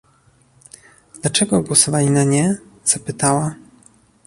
Dlaczego głosowali na nie? zapytała